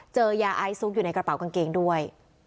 เจอยาไอซุกอยู่ในกระเป๋ากางเกงด้วย